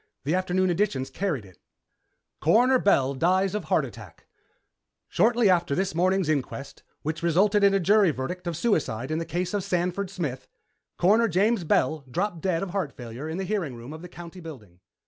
The afternoon editions carried it: CORONER BELL DIES OF HEART ATTACK Shortly after this morning's inquest, which resulted in a jury verdict of suicide in the case of Sanford Smith, Coroner James Bell dropped dead of heart failure in the hearing room of the County building.